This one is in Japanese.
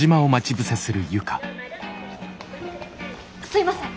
すいません。